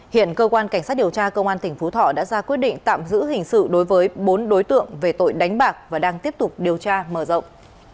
hiện cơ quan cảnh sát điều tra công an tỉnh phú thọ đã ra quyết định tạm giữ hình sự đối với bốn đối tượng về tội đánh bạc và đang tiếp tục điều tra mở rộng